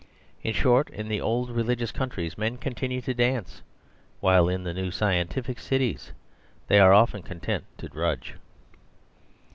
In short, in the old religious countries men continue to dance; while in the new scientific cities they are often content to drudge.